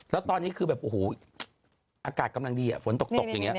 แล้วตอนนี้คือแบบอาการคำนักดีอ่ะฝนตกตกอย่างเงี้ย